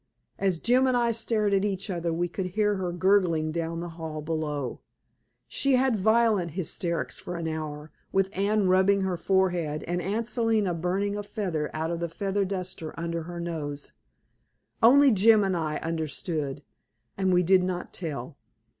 As Jim and I stared at each other we could hear her gurgling down the hall below. She had violent hysterics for an hour, with Anne rubbing her forehead and Aunt Selina burning a feather out of the feather duster under her nose. Only Jim and I understood, and we did not tell.